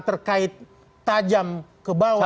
terkait tajam ke bawah